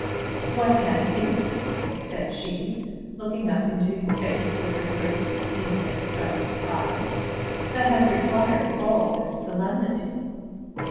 "What can it be," said she looking up into his face with her great inexpressive eyes, "that has required all this solemnity?"